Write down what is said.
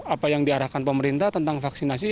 apa yang diarahkan pemerintah tentang vaksinasi